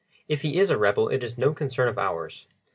"If he is a rebel it is no concern of ours.